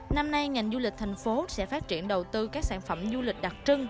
năm nay ngành du lịch thành phố sẽ phát triển đầu tư các sản phẩm du lịch đặc trưng